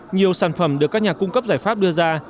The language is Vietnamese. nhiều sản phẩm được các nhà cung cấp giải pháp đưa ra